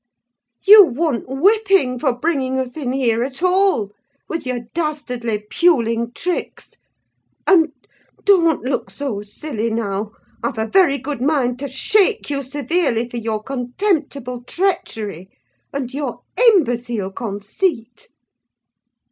You want whipping for bringing us in here at all, with your dastardly puling tricks: and—don't look so silly, now! I've a very good mind to shake you severely, for your contemptible treachery, and your imbecile conceit."